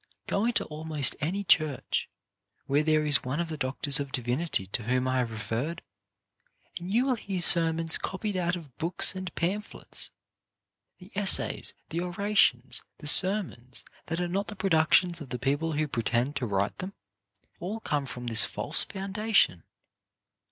Go into almost any church where there is one of the doctors of divinity to whom I have referred, and you will hear ser mons copied out of books and pamphlets. The essays, the orations, the sermons that are not the productions of the people who pretend to write them, all come from this false foundation.